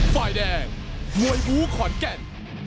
ฝ่ายแดงมวยบูขอนแก่น